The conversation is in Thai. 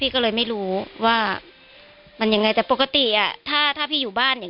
ก็เลยไม่รู้ว่ามันยังไงแต่ปกติอ่ะถ้าถ้าพี่อยู่บ้านอย่าง